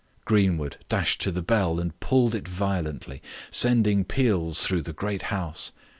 Greenwood dashed to the bell and pulled it violently, sending peals through the great house.